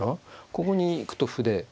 ここに行くと歩で。